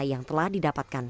yang telah didapatkan